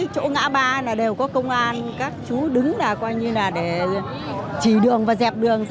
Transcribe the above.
chỗ ngã ba đều có công an các chú đứng để chỉ đường và dẹp đường